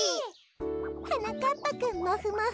はなかっぱくんもふもふ。